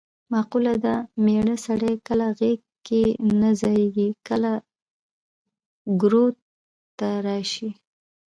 مقوله ده: مېړه سړی کله غېږ کې نه ځایېږې کله ګروت ته راشي.